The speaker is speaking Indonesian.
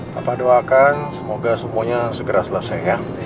bapak doakan semoga semuanya segera selesai ya